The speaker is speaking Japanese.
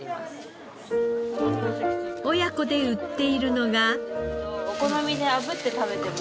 親子で売っているのが。